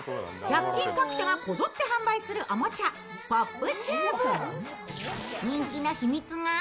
１００均各社がこぞって販売するおもちゃ、ホップチューブ。